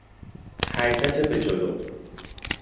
حرکت به جلو